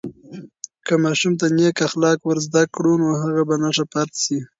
که ماشوم ته نیک اخلاق ورزده کړو، نو هغه به ښه فرد سي.